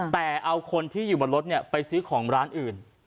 แต่เอาคนที่อยู่บนรถไปซื้อของร้านอื่น